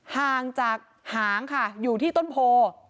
ห่างจากหางค่ะอยู่ที่ต้นโพ